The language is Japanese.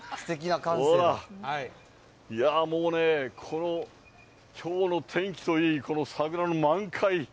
ほら、いやー、もうね、きょうのこの天気といい、この桜の満開。